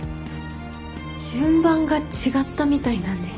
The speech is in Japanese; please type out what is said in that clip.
順番が違ったみたいなんです。